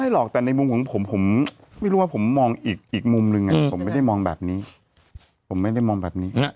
ไม่หรอกแต่ในมุมของผมผมไม่รู้ว่าผมมองอีกมุมหนึ่งผมไม่ได้มองแบบนี้